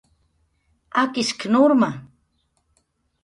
"Akishk"" nurma "